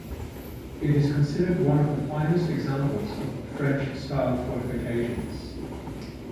It is considered one of the finest examples of French-style fortifications.